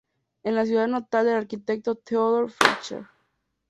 Es la ciudad natal del arquitecto Theodor Fischer.